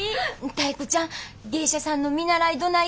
タイ子ちゃん芸者さんの見習いどない？